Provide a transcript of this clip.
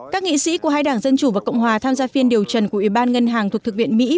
các nghị sĩ của hai đảng dân chủ và cộng hòa tham gia phiên điều trần của ủy ban ngân hàng thuộc thượng viện mỹ